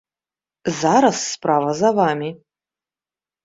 Зараз справа за вамі!